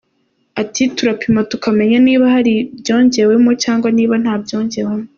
Ati “Turapima tukamenya niba hari ibyongewemo cyangwa niba nta byongewemo.